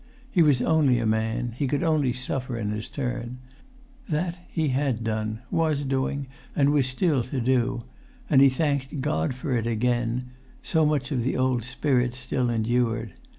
He was only a man; he could only suffer in his turn. That he had done, was doing, and was still to do. And he thanked God for it again; so much of the old spirit still endured.